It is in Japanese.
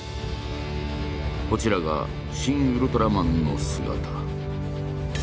こちらがシン・ウルトラマンの姿。